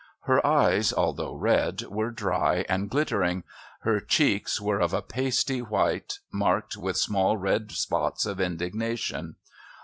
Her eyes, although red, were dry and glittering; her cheeks were of a pasty white marked with small red spots of indignation.